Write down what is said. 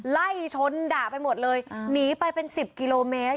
ไล่ชนด่าไปหมดเลยหนีไปเป็นสิบกิโลเมตร